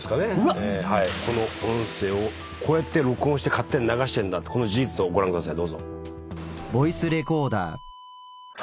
この音声をこうやって録音して勝手に流してるんだってこの事実をご覧ください。